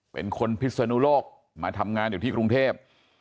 เป็นคนพิศนุโลกมาทำงานอยู่ที่กรุงเทพ